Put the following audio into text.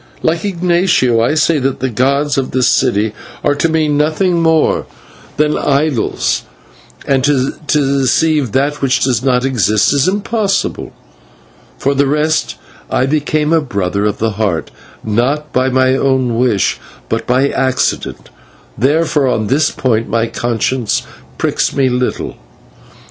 Like Ignatio, I say that the gods of this city are to me nothing more than idols, and to deceive that which does not exist is impossible. For the rest, I became a Brother of the Heart not by my own wish, but by accident, therefore on this point my conscience pricks me little.